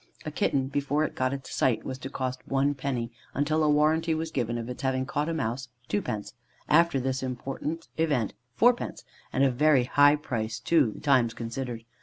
A kitten before it got its sight was to cost one penny; until a warranty was given of its having caught a mouse, twopence; after this important event, fourpence, and a very high price, too, the times considered.